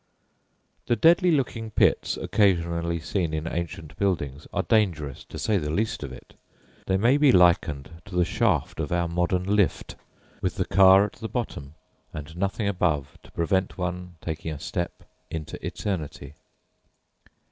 The deadly looking pits occasionally seen in ancient buildings are dangerous, to say the least of it. They may be likened to the shaft of our modern lift, with the car at the bottom and nothing above to prevent one from taking a step into eternity!